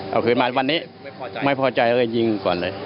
เอาไปคืนมาวันนี้ไม่พอใจเราก็อาจยิงก่อนเลย